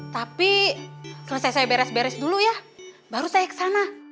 tapi selesai saya beres beres dulu ya baru saya ke sana